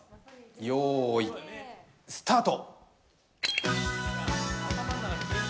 よーいスタート。